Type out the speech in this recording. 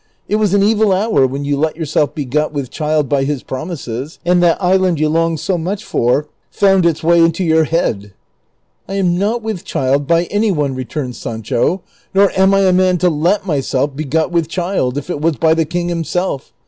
It was an evil hour when you let yourself be got with child by his promises, and that island you long so much for found its way into your head." " I am not with child by any one," returned Sancho, " nor am I a man to let myself be got with child, if it was by the King himself.